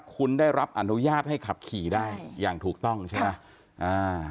คุณได้รับอนุญาตให้ขับขี่ได้อย่างถูกต้องใช่ไหมอ่า